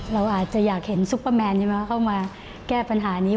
เราอาจจะอยากเห็นซุปเปอร์แมนใช่ไหมเข้ามาแก้ปัญหานี้